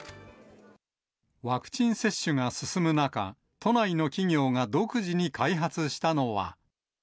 ワクチン接種が進む中、都内の企業が独自に開発したのは。